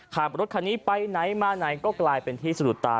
ขับรถคันนี้ไปไหนมาไหนก็กลายเป็นที่สะดุดตา